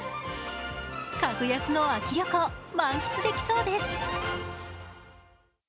格安の秋旅行、満喫できそうです。